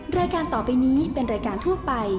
รายการต่อไปนี้เป็นรายการทั่วไป